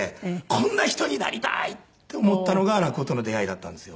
こんな人になりたいって思ったのが落語との出合いだったんですよ。